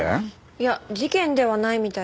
いや事件ではないみたいです。